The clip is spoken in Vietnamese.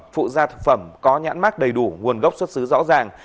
phụ gia thực phẩm có nhãn mát đầy đủ nguồn gốc xuất xứ rõ ràng